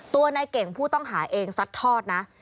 ตัวในเก่งผู้ต้องหาเองซัดทอดนะ